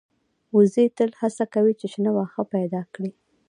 وزې تل هڅه کوي چې شنه واښه پیدا کړي